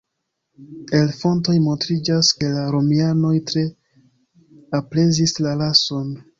El fontoj montriĝas ke la Romianoj tre aprezis la rason.